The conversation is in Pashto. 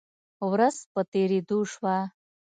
ورځ په تیریدو شوه